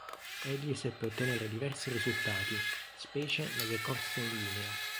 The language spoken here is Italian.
Egli seppe ottenere diversi risultati, specie nelle corse in linea.